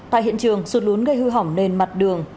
tại hiện trường sụt lún gây hư hỏng nền mặt đường